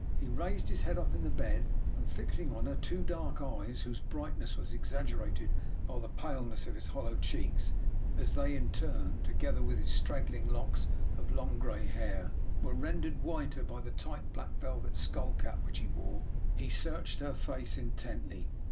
He raised his head up in the bed, and, fixing on her two dark eyes whose brightness was exaggerated by the paleness of his hollow cheeks, as they in turn, together with his straggling locks of long grey hair, were rendered whiter by the tight black velvet skullcap which he wore, he searched her face intently.